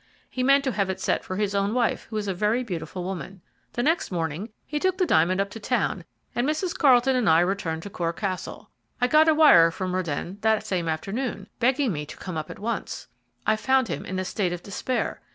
He meant to have it set for his own wife, who is a very beautiful woman. The next morning he took the diamond up to town, and Mrs. Carlton and I returned to Cor Castle. I got a wire from Röden that same afternoon, begging me to come up at once. I found him in a state of despair.